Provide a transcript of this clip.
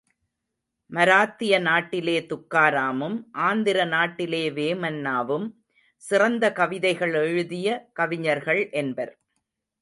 மராத்திய நாட்டிலே துக்காராமும், ஆந்திர நாட்டிலே வேமன்னாவும், சிறந்த கவிதைகள் எழுதிய கவிஞர்கள் என்பர்.